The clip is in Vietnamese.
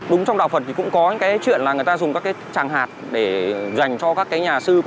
đúng trong đạo phật thì cũng có những cái chuyện là người ta dùng các cái tràng hạt để dành cho các cái nhà sư